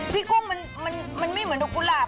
กุ้งมันไม่เหมือนดอกกุหลาบ